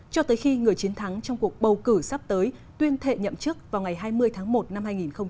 cho tới khi người chiến thắng trong cuộc bầu cử sắp tới tuyên thệ nhậm chức vào ngày hai mươi tháng một năm hai nghìn hai mươi